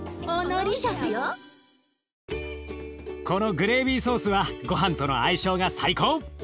このグレービーソースはごはんとの相性が最高！